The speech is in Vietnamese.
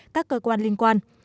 các cơ quan liên quan